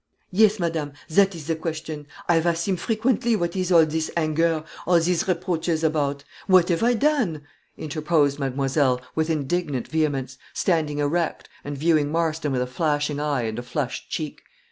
"Yes, madame, that is the question. I have asked him frequently what is all this anger, all these reproaches about; what have I done?" interposed mademoiselle, with indignant vehemence, standing erect, and viewing Marston with a flashing eye and a flushed cheek.